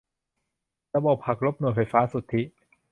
ระบบหักลบหน่วยไฟฟ้าสุทธิ